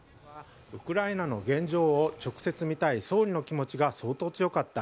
ウクライナの現状を直接見たい総理の気持ちが相当強かった。